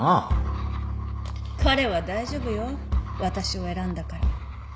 彼は大丈夫よ私を選んだから。